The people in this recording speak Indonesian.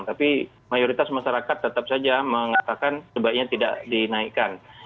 tapi mayoritas masyarakat tetap saja mengatakan sebaiknya tidak dinaikkan